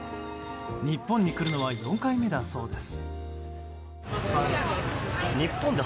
日本に来るのは４回目だそうです。